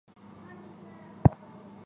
昌宁郡韩国庆尚南道的一个郡。